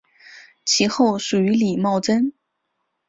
其后属于李茂贞。